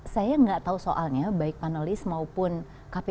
saya gak tahu soalnya baik panelis maupun kpud